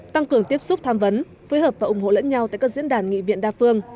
tăng cường tiếp xúc tham vấn phối hợp và ủng hộ lẫn nhau tại các diễn đàn nghị viện đa phương